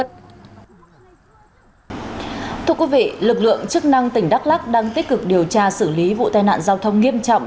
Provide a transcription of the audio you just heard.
thưa quý vị lực lượng chức năng tỉnh đắk lắc đang tích cực điều tra xử lý vụ tai nạn giao thông nghiêm trọng